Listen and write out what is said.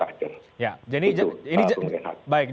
itu yang harus diperhatikan